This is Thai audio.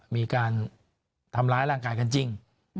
มีการทำร้ายร่างกายกันจริง